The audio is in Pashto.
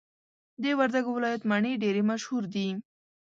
د وردګو ولایت مڼي ډیري مشهور دي.